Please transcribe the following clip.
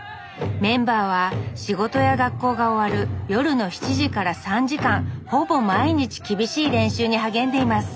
メンバーは仕事や学校が終わる夜の７時から３時間ほぼ毎日厳しい練習に励んでいます